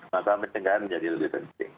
maksudnya mencegahan menjadi lebih penting